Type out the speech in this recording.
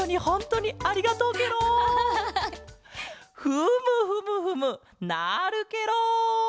フムフムフムなるケロ！